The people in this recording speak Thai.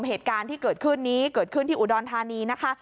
เหตุการณ์ที่เกิดขึ้นนี้เกิดขึ้นที่อุดรธานีนะคะ